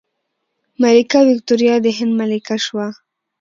ملکه ویکتوریا د هند ملکه شوه.